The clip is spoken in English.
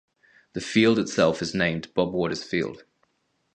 The field itself is named Bob Waters Field.